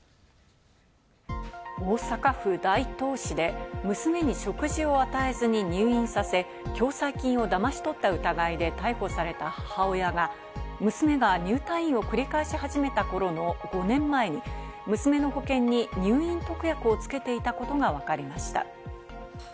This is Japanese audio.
大阪府大東市で娘に食事を与えずに入院させ、共済金をだまし取った疑いで逮捕された母親が、娘が入退院を繰り返し始めた頃の５年前に娘の保険に入院特約をつけていたことがわかりました。